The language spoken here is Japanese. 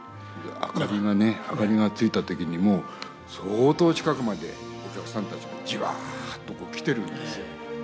明かりがついたときにもう、相当近くまでお客さんたちが、じわーっとこう、来てるんですよ。